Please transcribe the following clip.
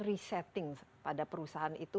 resetting pada perusahaan itu